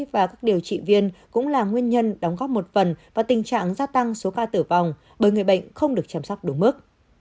và các điều trị viên cũng là nguyên nhân đóng góp một phần và tình trạng gia tăng số ca tử vong bởi người bệnh không được chăm sóc đúng mức